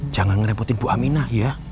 jangan merepotin bu aminah ya